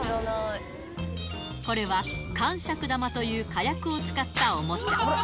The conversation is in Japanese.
これは、かんしゃく玉という火薬を使ったおもちゃ。